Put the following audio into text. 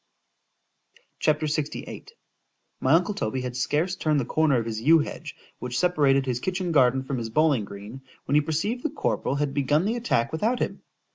C H A P. LXVIII MY uncle Toby had scarce turned the corner of his yew hedge, which separated his kitchen garden from his bowling green, when he perceived the corporal had begun the attack without him.